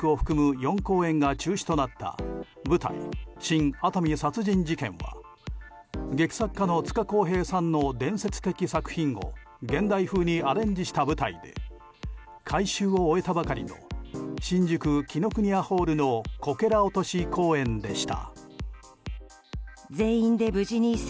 ４公演が中止となった舞台「新・熱海殺人事件」は劇作家の、つかこうへいさんの伝説的作品を現代風にアレンジした歩合で改修を終えたばかりの新宿紀伊國屋ホールのこけら落とし公演でした。